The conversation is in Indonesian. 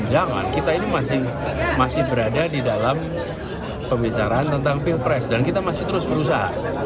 jangan kita ini masih berada di dalam pembicaraan tentang pilpres dan kita masih terus berusaha